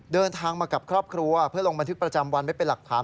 เดินทางมากับครอบครัวเพื่อลงบันทึกประจำวันไว้เป็นหลักฐาน